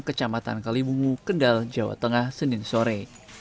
kecamatan kalibungu kendal jawa tengah senin sore